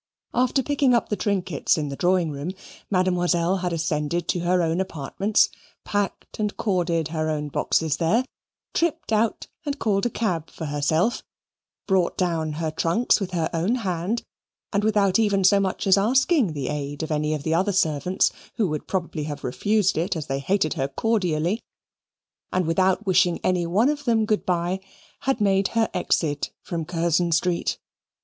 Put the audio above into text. After picking up the trinkets in the drawing room, Mademoiselle had ascended to her own apartments, packed and corded her own boxes there, tripped out and called a cab for herself, brought down her trunks with her own hand, and without ever so much as asking the aid of any of the other servants, who would probably have refused it, as they hated her cordially, and without wishing any one of them good bye, had made her exit from Curzon Street.